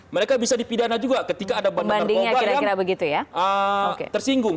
mereka bisa dipidana juga ketika ada bandar narkoba yang tersinggung